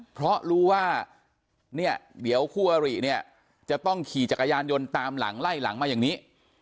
เพราะรู้ว่าเนี่ยเดี๋ยวคู่อริเนี่ยจะต้องขี่จักรยานยนต์ตามหลังไล่หลังมาอย่างนี้